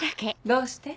どうして？